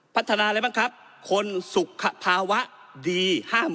พัฒนาอะไรบ้างครับคนสุขภาวะดีห้าม